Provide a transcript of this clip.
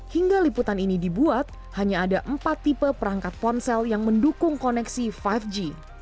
hingga liputan ini dibuat hanya ada empat tipe perangkat ponsel yang mendukung koneksi lima g